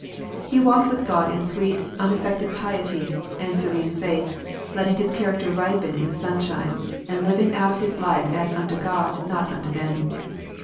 He walked with God in sweet unaffected piety, and serene faith, letting his character ripen in the sunshine, and living out his life as unto God not unto men.